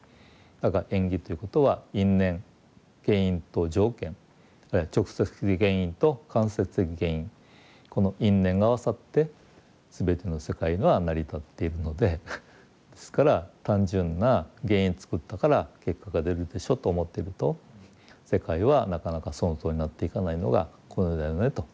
だから縁起ということは因縁原因と条件あるいは直接的原因と間接的原因この因縁が合わさって全ての世界が成り立っているのでですから単純な原因を作ったから結果が出るでしょと思ってると世界はなかなかそのとおりになっていかないのがこの世だよねと。